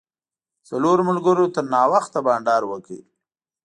څلورو ملګرو تر ناوخته بانډار وکړ.